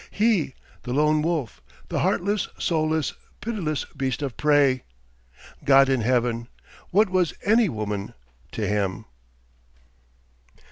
He, the Lone Wolf, the heartless, soulless, pitiless beast of prey! God in Heaven! what was any woman to him?